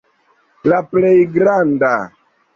La plej granda.